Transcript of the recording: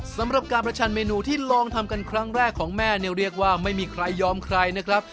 สำหรับการประชันเมนูที่ลองทำกันครั้งแรกของแม่เนี่ยเรียกว่าไม่มีใครยอมใครนะครับ